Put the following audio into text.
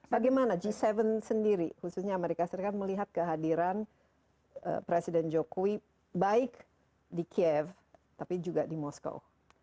bagaimana g tujuh sendiri khususnya amerika serikat melihat kehadiran presiden jokowi baik di kiev tapi juga di moskow